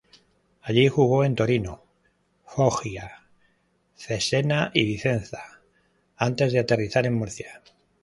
Allí jugó en Torino, Foggia, Cesena y Vicenza, antes de aterrizar en Murcia.